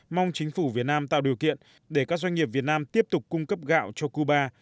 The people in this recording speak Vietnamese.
mong chính phủ việt nam tạo điều kiện để các doanh nghiệp việt nam tiếp tục cung cấp gạo cho cuba